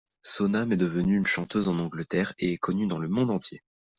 Soname est devenue une chanteuse en Angleterre et est connue dans le monde entier.